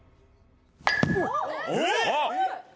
えっ。